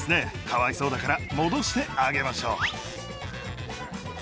かわいそうだから戻してあげましょう。